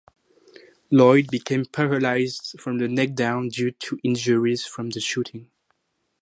Lloyd became paralyzed from the neck down due to injuries from the shooting.